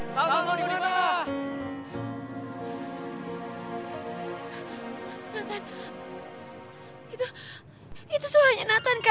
sampai jumpa di video selanjutnya